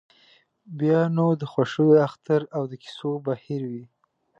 بیا نو د خوښیو اختر او د کیسو بهیر وي.